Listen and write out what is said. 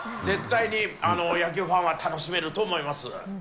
絶対に野球ファンは楽しめると思います。